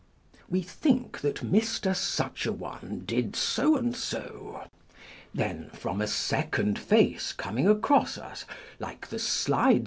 We think that Mr. Such a one did so and so; then, from a second face coming across us, like the slides 24 On Dreams.